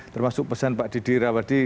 termasuk pesan pak didi rawadi